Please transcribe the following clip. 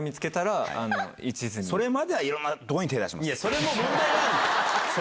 それまではいろんなとこに手出します。